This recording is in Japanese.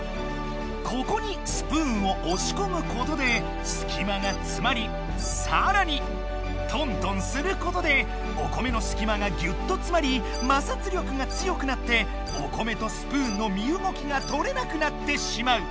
ここにスプーンをおしこむことですきまがつまりさらにトントンすることでお米のすきまがギュッとつまり摩擦力がつよくなってお米とスプーンのみうごきがとれなくなってしまう。